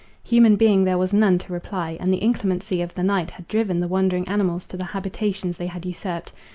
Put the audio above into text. Human being there was none to reply; and the inclemency of the night had driven the wandering animals to the habitations they had usurped.